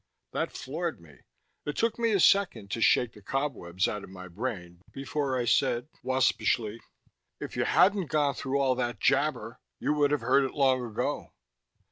That floored me. It took me a second to shake the cobwebs out of my brain before I said waspishly, "If you hadn't gone through all that jabber, you would have heard it long ago."